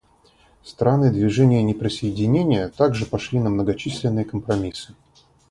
Страны Движения неприсоединения также пошли на многочисленные компромиссы.